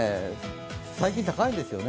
最近、高いんですよね。